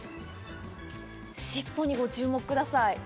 しっぽにご注目ください。